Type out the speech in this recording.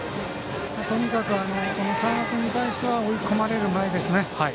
とにかく、佐山君に対しては追い込まれる前ですね。